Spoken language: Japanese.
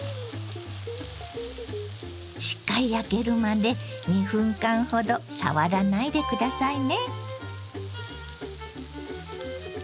しっかり焼けるまで２分間ほど触らないで下さいね。